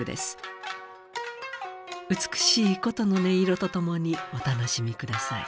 美しい箏の音色と共にお楽しみください。